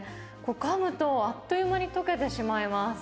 かむと、あっという間に溶けてしまいます。